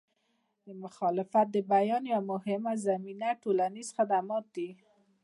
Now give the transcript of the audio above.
د مخالفت د بیان یوه مهمه زمینه ټولنیز خدمات دي.